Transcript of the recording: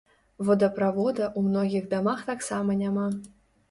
Водаправода ў многіх дамах таксама няма.